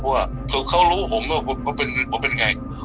ผสมเขารู้ผมว่าเป็นอย่างไง